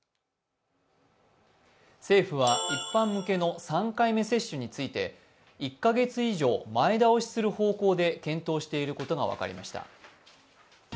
政府は一般向けの３回目接種について１カ月以上前倒しする方向で検討していることが分かりました。